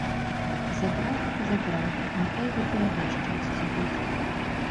Забраў дык забраў, няхай гэта яго шчасце будзе.